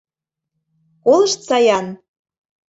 Колыштса-ян...